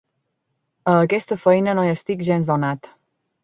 A aquesta feina no hi estic gens donat.